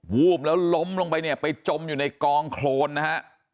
วูบแล้วล้มลงไปเนี่ยไปจมอยู่ในกองโครนนะฮะ